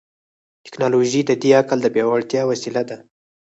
ټیکنالوژي د دې عقل د پیاوړتیا وسیله ده.